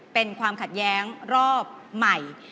เป็นความขัดแย้งรอบใหม่